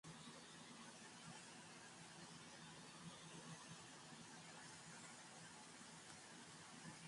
Alisema zamani tulikwa hatujui thamani ya mwani lakini sasa hivi tunajua